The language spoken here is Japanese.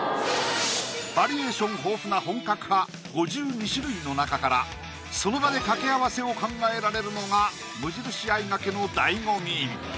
バリエーション豊富な本格派５２種類の中からその場で掛け合わせを考えられるのが無印あいがけの醍醐味